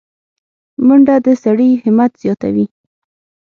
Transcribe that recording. منډه د سړي همت زیاتوي